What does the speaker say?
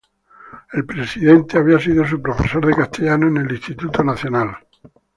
El presidente había sido su profesor de castellano en el Instituto Nacional.